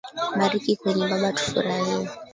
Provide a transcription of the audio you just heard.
Bariki kenya baba tufurahie.